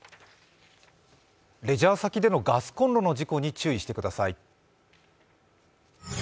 レジャー先でのガスこんろの事故に注意してください。